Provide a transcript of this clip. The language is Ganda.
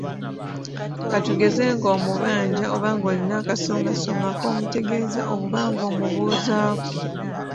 Ka tugeze ng’omubanja oba ng’olina akasongasonga k’omutegeeza oba ng’omubuuzaako.